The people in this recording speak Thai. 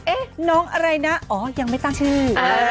เอ๊ะน้องอะไรนะอ๋อยังไม่ตั้งชื่อ